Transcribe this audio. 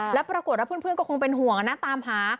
แล้วปรากฏว่าเพื่อนก็คงเป็นห่วงนะตามหา